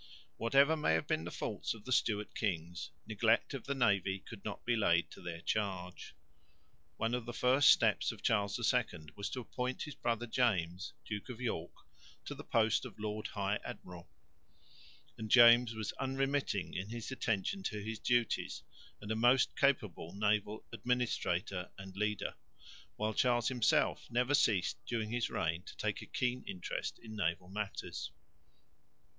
Whatever may have been the faults of the Stewart kings, neglect of the navy could not be laid to their charge. One of the first steps of Charles II was to appoint his brother James, Duke of York, to the post of Lord High Admiral; and James was unremitting in his attention to his duties, and a most capable naval administrator and leader, while Charles himself never ceased during his reign to take a keen interest in naval matters.